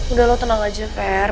udah lo tenang aja fair